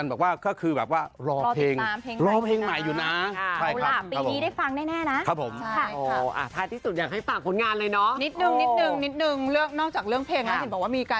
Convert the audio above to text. เชื่อมต่อจริงนะครับ